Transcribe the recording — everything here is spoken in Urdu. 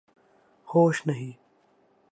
ہوش نہیں